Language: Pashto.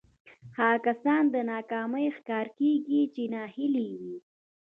هغه کسان د ناکامۍ ښکار کېږي چې ناهيلي وي.